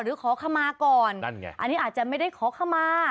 หรือขอคำมาก่อนอันนี้อาจจะไม่ได้ขอคำมา